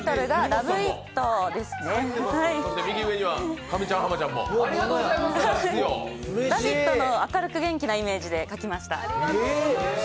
「ラヴィット！」の明るく元気なイメージで描きました。